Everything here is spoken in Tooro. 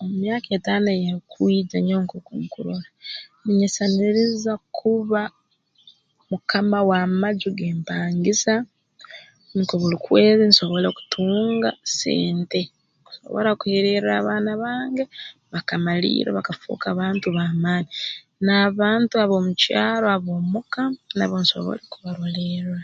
Omu myaka etaano eyeerukwija nyowe nk'oku nkurora ninyesisaniriza kuba mukama w'amaju g'empangisa nukwo buli kwezi nsobole kutunga sente kusobora kuheererra abaana bange bakamalirra bakafooka bantu b'amaani n'abantu ab'omu kyaro ab'omuka nabo nsobole kubarolerra